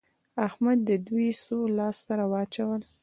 احمد دوی څو لاس سره واچول؟